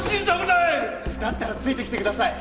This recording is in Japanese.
だったらついてきてください。